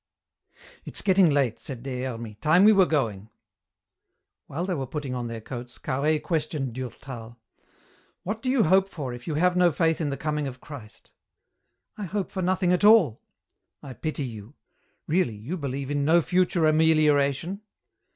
"It's getting late," said Des Hermies, "time we were going." While they were putting on their coats, Carhaix questioned Durtal. "What do you hope for if you have no faith in the coming of Christ?" "I hope for nothing at all." "I pity you. Really, you believe in no future amelioration?"